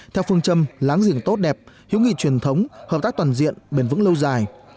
theo phương châm láng giềng tốt đẹp hữu nghị truyền thống hợp tác toàn diện bền vững lâu dài